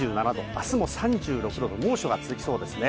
あすも３６度と猛暑が続きそうですね。